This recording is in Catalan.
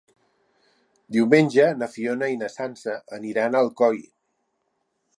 Diumenge na Fiona i na Sança aniran a Alcoi.